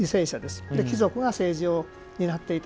貴族が政治を担っていた。